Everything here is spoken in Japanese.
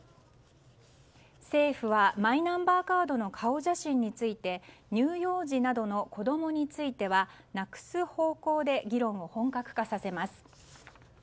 政府はマイナンバーカードの顔写真について乳幼児などの子供についてはなくす方向で議論を本格化させます。